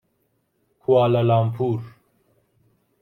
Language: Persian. کوالالامپور